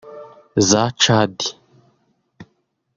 za Cadi